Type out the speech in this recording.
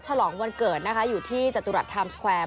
ฉลองวันเกิดนะคะอยู่ที่จตุรัสไทม์สแควร์